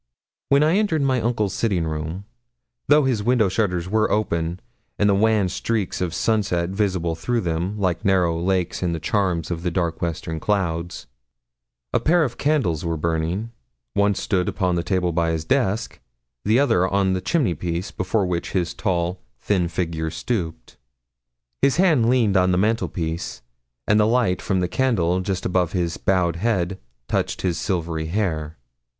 When I entered my uncle's sitting room though his window shutters were open and the wan streaks of sunset visible through them, like narrow lakes in the chasms of the dark western clouds a pair of candles were burning; one stood upon the table by his desk, the other on the chimneypiece, before which his tall, thin figure stooped. His hand leaned on the mantelpiece, and the light from the candle just above his bowed head touched his silvery hair.